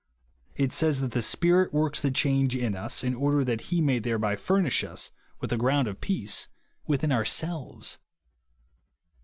It says that the Spirit works the change in us, in order that he may thereby fur nish us with a ground of peace within ourselves.